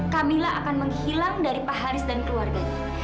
kamila akan menghilang dari pak haris dan keluarganya